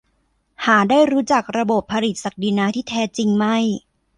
หาได้รู้จักระบบผลิตศักดินาที่แท้จริงไม่